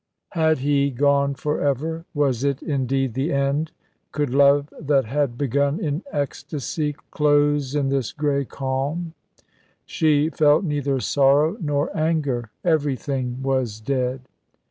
Had he gone for ever? Was it indeed the end? Could love that had begun in ecstasy close in this grey calm? She felt neither sorrow nor anger. Everything was dead.